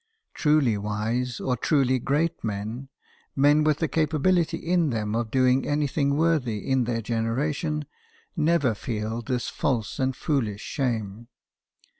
Truly wise or truly great men men with the capability in them for doing anything worthy in their generation never feel this false and foolish shame.